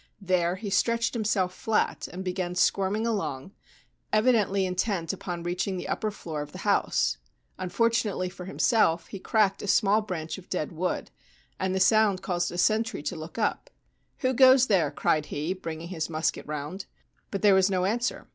There he stretched himself flat, and began squirming along, evidently intent upon reaching the upper floor of the house. Unfortun ately for himself, he cracked a small branch of dead wood, and the sound caused a sentry to look up. 4 Who goes there ?' cried he, bringing his musket round ; but there was no answer.